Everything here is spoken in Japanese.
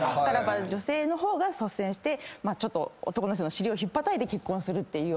女性の方が率先して男の人の尻をひっぱたいて結婚するっていうような形に。